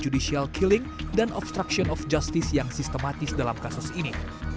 judicial killing dan obstruction of justice yang sistematis dalam kasus ini